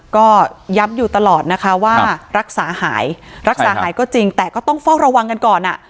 ก็ย้ำอยู่ตลอดนะคะว่ารักษาหายรักษาหายก็จริงแต่ก็ต้องเฝ้าระวังกันก่อนอ่ะ